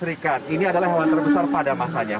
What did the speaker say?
ini adalah hewan terbesar pada masanya